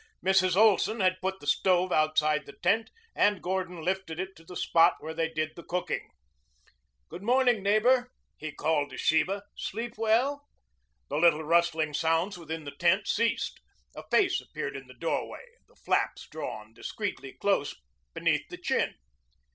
Mrs. Olson had put the stove outside the tent and Gordon lifted it to the spot where they did the cooking. "Good morning, neighbor," he called to Sheba. "Sleep well?" The little rustling sounds within the tent ceased. A face appeared in the doorway, the flaps drawn discreetly close beneath the chin.